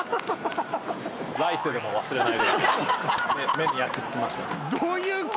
目に焼き付けました。